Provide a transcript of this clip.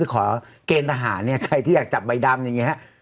ขอเกณฑ์ทหารเนี่ยใครที่อยากจับใบดำอย่างนี้ฮะ